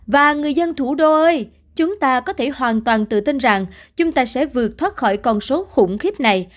và người dân thủ đô ơi chúng ta có thể hoàn toàn tự tin rằng chúng ta sẽ vượt thoát khỏi con số khủng khiếp này